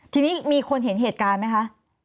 อ้อที่นี้มีคนเห็นเหตุการณ์นะค่ะ